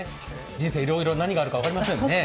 人生、いろいろ何があるか分かりませんね。